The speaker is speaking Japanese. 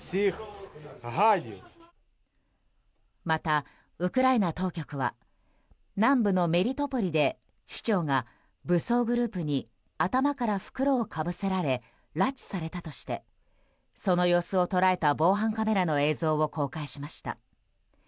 また、ウクライナ当局は南部のメリトポリで市長が武装グループに頭から袋をかぶせられ拉致されたとしてその様子を捉えた防犯カメラの映像を公開しました。